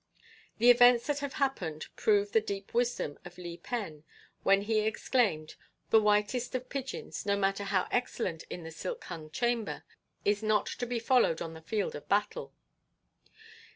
The events that have happened prove the deep wisdom of Li Pen when he exclaimed "The whitest of pigeons, no matter how excellent in the silk hung chamber, is not to be followed on the field of battle."